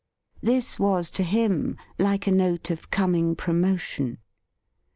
This was to him like a note of coming promotion.